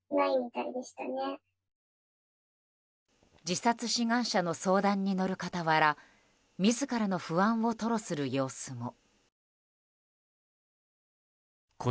自殺志願者の相談に乗る傍ら自らの不安を吐露する様子も。